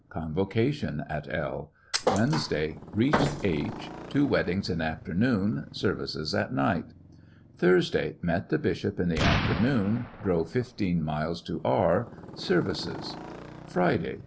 Convocation at L "Wednesday. Beached H . Two wed dings in afternoon, services at night. Thursday. Met the bishop in the after noon. Drove fifteen miles to E . Services. Friday.